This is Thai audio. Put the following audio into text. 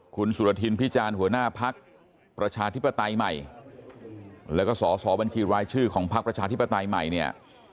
คุณสุรทินพิจารณ์หัวหน้าพักประชาธิปไตยใหม่แล้วก็สอสอบัญชีรายชื่อของพักประชาธิปไตยใหม่เนี่ย